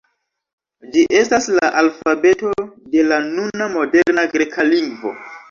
Ĝi estas la alfabeto de la nuna moderna greka lingvo.